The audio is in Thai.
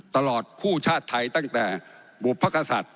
ตลอดคู่ชาติไทยตั้งแต่บุพกษัตริย